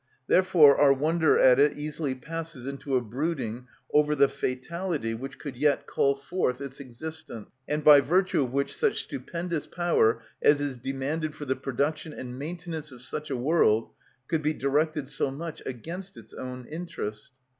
Therefore our wonder at it easily passes into a brooding over the fatality which could yet call forth its existence, and by virtue of which such stupendous power as is demanded for the production and maintenance of such a world could be directed so much against its own interest.